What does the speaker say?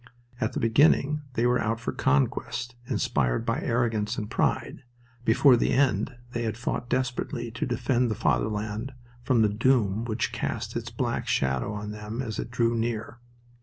At the beginning they were out for conquest, inspired by arrogance and pride. Before the end they fought desperately to defend the Fatherland from the doom which cast its black shadow on them as it drew near.